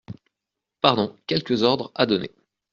Pardon… quelques ordres à donner…